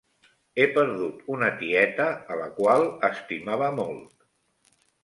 He perdut una tieta a la qual estimava molt.